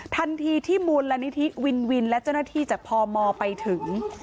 ทันทีที่มูลนิธิวินวินและเจ้าหน้าที่จากพมไปถึง